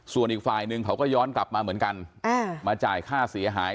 ส่วนอีกฝ่ายหนึ่งเขาก็ย้อนกลับมาเหมือนกันมาจ่ายค่าเสียหาย